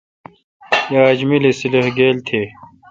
یا اج ملی سلیخ گیل تھے۔